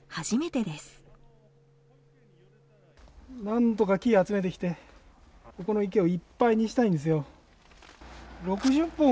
なんとか木を集めてきてここの池をいっぱいにしたいんですよ。